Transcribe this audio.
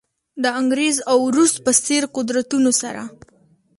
د انګریز او روس په څېر قدرتونو سره.